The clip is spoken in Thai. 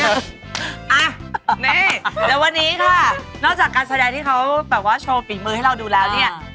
อ่ะนี่แล้ววันนี้ค่ะนอกจากการแสดงที่เขาแบบว่าโชว์ฝีมือให้เราดูแล้วเนี่ย